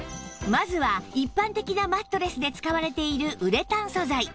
まずは一般的なマットレスで使われているウレタン素材